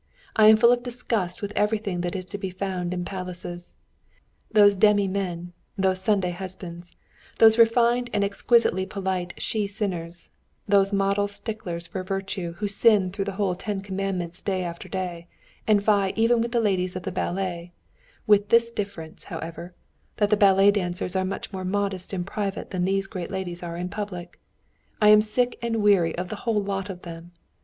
I am full of disgust with everything that is to be found in palaces. Those demi men, those Sunday husbands those refined and exquisitely polite she sinners, those model sticklers for virtue who sin through the whole ten commandments day after day, and vie even with the ladies of the ballet, with this difference, however, that the ballet dancers are much more modest in private than these great ladies are in public I am sick and weary of the whole lot of them.